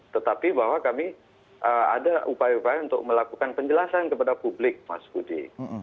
tetapi bahwa kami ada upaya upaya untuk melakukan penjelasan kepada publik mas budi